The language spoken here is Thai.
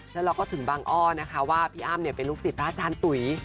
แล้วเราก็ถึงบางอ้อนะคะว่าพี่อ้ำเป็นลูกศิษย์พระอาจารย์ตุ๋ย